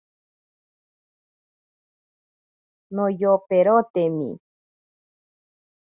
Noyoperotimi.